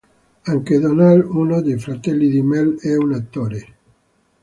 Anche Donal, uno dei fratelli di Mel, è un attore.